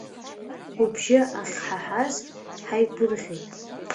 Убжьы ахьҳаҳаз ҳаигәырӷьеит…